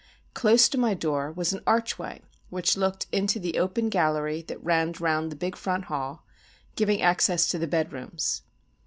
Close to my door was an archway which looked into the open gallery that ran round the big front hall, giving access to the bedrooms.